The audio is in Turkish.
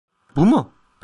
Bu mu?